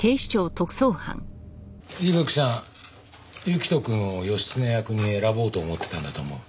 行人くんを義経役に選ぼうと思ってたんだと思う。